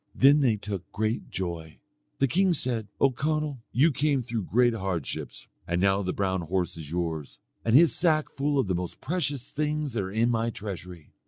Then they took great joy. The king said, "O Conall, you came through great hardships. And now the brown horse is yours, and his sack full of the most precious things that are in my treasury."